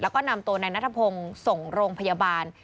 แล้วก็นำตัวนายนัทพงศ์ส่งโรงพยาบาล